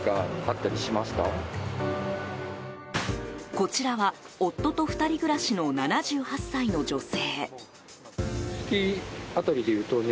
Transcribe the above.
こちらは夫と２人暮らしの７８歳の女性。